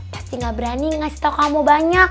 pasti gak berani ngasih tau kamu banyak